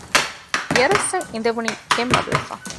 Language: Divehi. ޔަރަސް އަށް އިނދެވުނީ ކެތް މަދުވެފަ